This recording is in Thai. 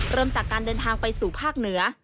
เริ่มจากการเดินทางไปสู่ภาคเหนือ